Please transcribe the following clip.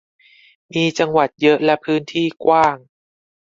มีจังหวัดเยอะและพื้นที่กว้าง